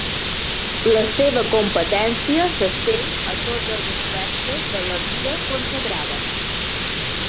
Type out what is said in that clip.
La seva competència s'estén a tots els aspectes de la vida consagrada.